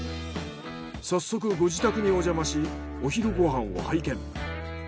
早速ご自宅におじゃましお昼ご飯を拝見。